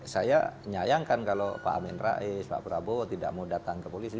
saya nyayangkan kalau pak amin rais pak prabowo tidak mau datang ke polisi